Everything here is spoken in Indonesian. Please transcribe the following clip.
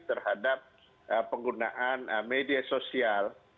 terhadap penggunaan media sosial